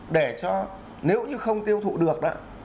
để cho nếu như không tiêu thụ được đó